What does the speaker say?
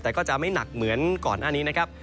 แต่ก็จะไม่หนักเหมือนก่อนหน้านี้นะครับ